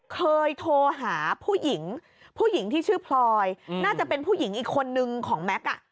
เคยโทรหาผู้หญิงผู้หญิงที่ชื่อพลอยน่าจะเป็นผู้หญิงอีกคนนึงของแม็กซ์